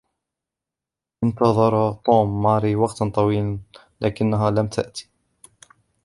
انتظر توم ماري وقتا طويلا ، لكنها لم تأتِ.